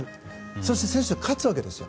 そして、選手が勝つわけですよ。